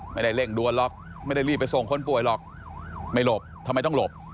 เร่งด่วนหรอกไม่ได้รีบไปส่งคนป่วยหรอกไม่หลบทำไมต้องหลบ